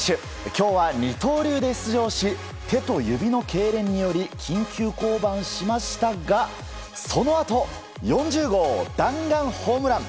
今日は二刀流で出場し手と指のけいれんにより緊急降板しましたがそのあと４０号弾丸ホームラン！